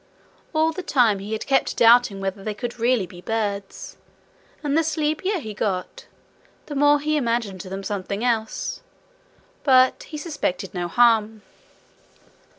All the time he had kept doubting whether they could really be birds, and the sleepier he got, the more he imagined them something else, but he suspected no harm.